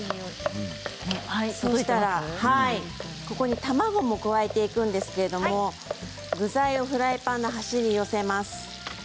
ここに卵も加えていくんですが具材をフライパンの端に寄せます。